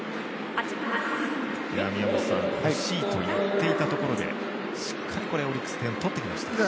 欲しいといっていたところでしっかりオリックス点を取ってきましたね。